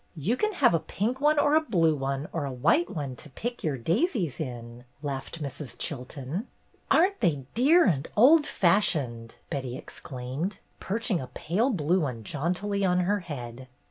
You can have a pink one or a blue one or a white one to pick your daisies in,'' laughed Mrs. Chilton. "Aren't they dear and old fashioned!" Betty exclaimed, perching a pale blue one jauntily on her head.